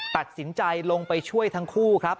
ตัดสินใจลงไปช่วยทั้งคู่ครับ